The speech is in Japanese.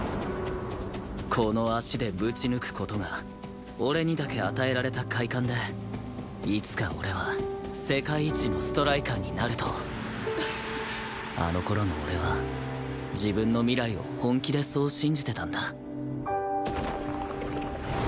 この足でぶち抜く事が俺にだけ与えられた快感でいつか俺は世界一のストライカーになるとあの頃の俺は自分の未来を本気でそう信じてたんだ